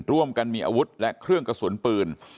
ร่วมกันมีอาวุธและเครื่องกระสุนปืน